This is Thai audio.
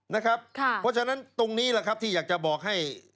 เพราะฉะนั้นตรงนี้แหละครับที่อยากจะบอกให้